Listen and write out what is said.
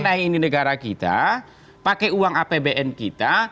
nah ini negara kita pakai uang apbn kita